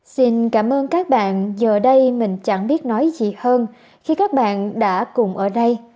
xin cảm ơn các bạn giờ đây mình chẳng biết nói gì hơn khi các bạn đã cùng ở đây